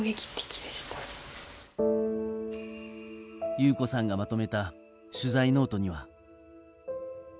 裕子さんがまとめた取材ノートには。